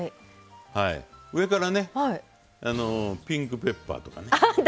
上からピンクペッパーとかね。